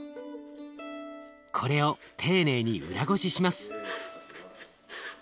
これを丁寧に裏ごしします。